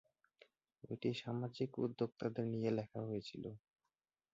বইটি সামাজিক উদ্যোক্তাদের নিয়ে লেখা হয়েছিল।